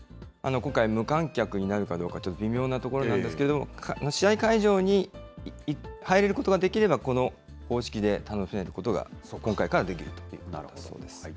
今回、無観客になるかどうか、ちょっと微妙なところなんですけれども、試合会場に入れることができればこの方式で楽しめることが、今回からできるということです。